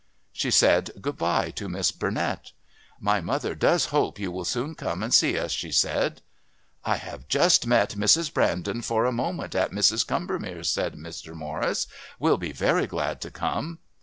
She said good bye to Miss Burnett. "My mother does hope you will soon come and see us," she said. "I have just met Mrs. Brandon for a moment at Mrs. Combermere's," said Mr. Morris. "We'll be very glad to come."